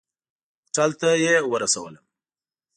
هوټل ته یې ورسولم.